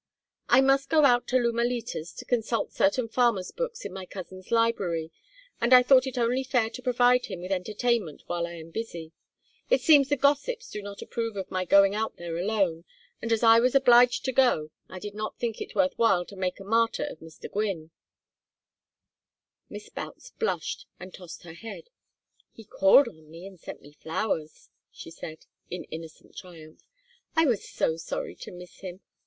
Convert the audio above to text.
"I must go out to Lumalitas to consult certain farmer's books in my cousin's library, and I thought it only fair to provide him with entertainment while I am busy. It seems the gossips do not approve of my going out there alone, and as I was obliged to go I did not think it worth while to make a martyr of Mr. Gwynne." Miss Boutts blushed and tossed her head. "He called on me and sent me flowers," she said, in innocent triumph. "I was so sorry to miss him.